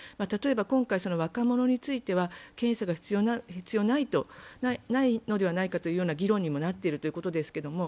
例えば今回、若者については検査が必要ないのではないかという議論にもなっているということですけど、